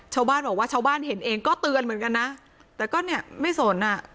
ชาวบ้านบอกว่าชาวบ้านเห็นเองก็เตือนเหมือนกันนะแต่ก็เนี่ยไม่สนอ่ะ